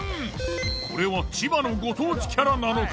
これは千葉のご当地キャラなのか？